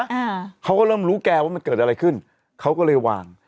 อ่าเขาก็เริ่มรู้แกว่ามันเกิดอะไรขึ้นเขาก็เลยวาง